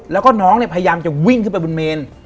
แล้วก็น้องเนี่ยพยายามจะวิ่งขึ้นไปบนเมน